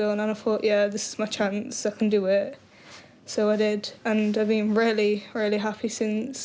และฉันเป็นสิ่งที่สุขมากจากนี้